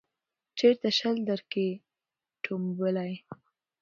چیرته شل درکښې ټومبلی